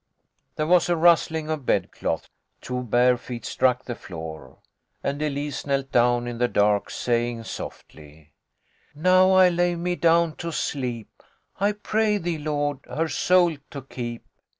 There was a rustling of bedclothes. Two bare feet struck the floor, and Elise knelt down in the dark, saying, softly: " Now I lay me down to sleep, I pray thee, Lord, her soul to keep.